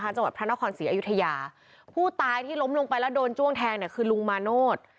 จังหวัดพระนครศรีอยุธยาผู้ตายที่ล้มลงไปแล้วโดนจ้วงแทงเนี่ยคือลุงมาโนธ